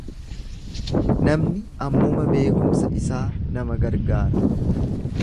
Namni ammuma beekumsa isaa nama gargaara.